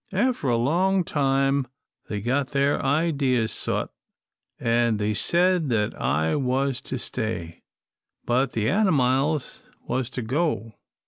After a long time, they got their ideas sot, an' they said that I was to stay, but all the animiles was to go.